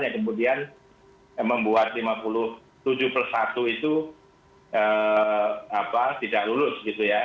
yang kemudian membuat lima puluh tujuh persatu itu tidak lulus gitu ya